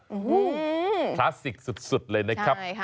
โอ้โหคลาสสิกสุดเลยนะครับ